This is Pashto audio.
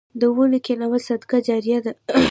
د ونو کینول صدقه جاریه ده.